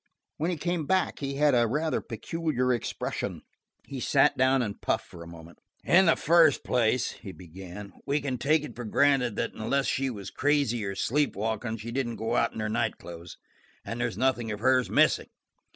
When he came back he had a rather peculiar expression. He sat down and puffed for a moment. "In the first place," he began, "we can take it for granted that, unless she was crazy or sleep walking she didn't go out in her night clothes, and there's nothing of hers missing.